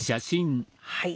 はい。